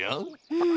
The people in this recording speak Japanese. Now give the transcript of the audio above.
うん。